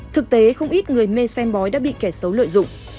thực tế không ít người mê xem bói đã bị kẻ xấu lợi dụng